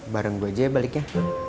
bareng gue aja ya baliknya